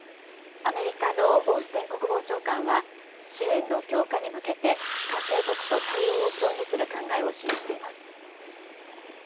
アメリカのオースティン国防長官は、支援の強化に向けて、関係国と対応を協議する考えを示しています。